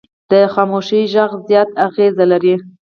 د خاموشي غږ زیات اغېز لري